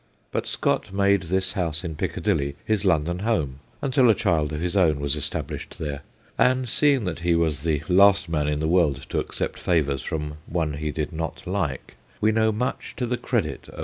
But Scott made this house in Piccadilly his London home until a child of his own was established there, and seeing that he was the last man in the world to accept favours from one he did not like, we know much to the credit of M.